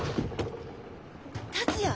達也！